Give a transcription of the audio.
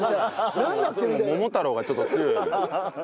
それ『桃太郎』がちょっと強いよね。